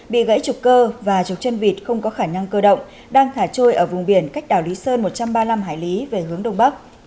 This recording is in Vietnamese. bị gãy trục cơ và trục chân vịt không có khả năng cơ động đang thả trôi ở vùng biển cách đảo lý sơn một trăm ba mươi năm hải lý về hướng đông bắc